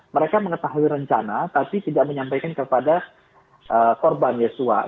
mereka mengetahui rencana tapi tidak menyampaikan kepada korban yesua